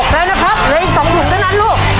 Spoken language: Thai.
๖แล้วนะครับอีก๒ถุงเท่านั้นลูก